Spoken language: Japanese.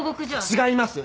違います。